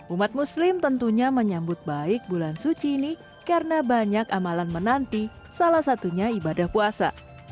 umat muslim tentunya menyambut baik bulan suci ini karena banyak amalan menanti salah satunya ibadah puasa